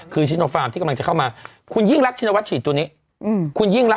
คือชิคโนฟาร์มที่กำลังจะเข้ามาคุณยิ่งรักชินวัฒน์ฉีดตัวนี้